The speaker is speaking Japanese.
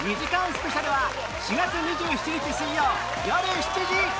スペシャルは４月２７日水曜よる７時